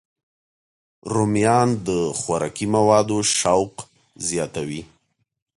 رومیان د خوراکي موادو شوق زیاتوي